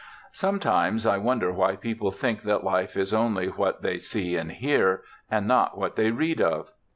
Sometimes I wonder why people think that life is only what they see and hear, and not what they read of.